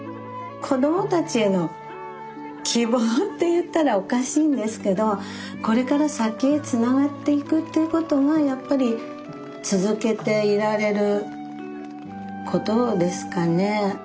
子供たちへの希望っていったらおかしいんですけどこれから先へつながっていくっていうことがやっぱり続けていられることですかね。